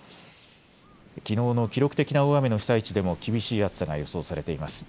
きのうの記録的な大雨の被災地でも厳しい暑さが予想されています。